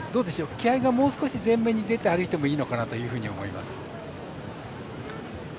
気合いがもう少し前面に出て歩いてもいいのかなというふうに思います。